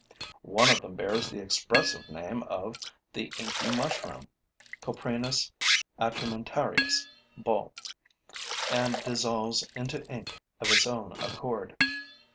One of them bears the expressive name of the inky mushroom (Coprinus atramentarius, BULL.) and dissolves into ink of its own accord.